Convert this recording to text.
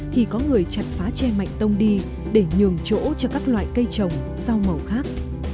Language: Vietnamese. thì có người chặt phá tre mạnh tông đi để nhường chỗ cho các loại cây trồng rau màu khác